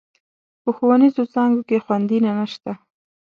په ښوونيزو څانګو کې خونديينه نشته.